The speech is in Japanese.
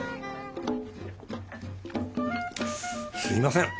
すみません